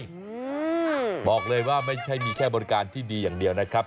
อืมบอกเลยว่าไม่ใช่มีแค่บริการที่ดีอย่างเดียวนะครับ